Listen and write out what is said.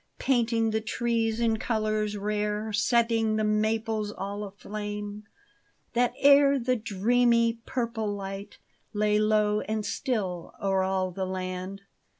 Painting the trees in colors rare, Setting the maples all aflame ; That ere the dreamy, purple light Lay low and still o'er all the land.